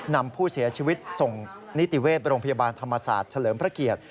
นำผู้เสียชีวิตส่งนิติเวชโรงพยาบาลธรรมศาสตร์เฉลิมพระเกียรติ